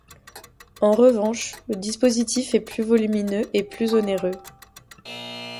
En revanche, le dispositif est plus volumineux et plus onéreux.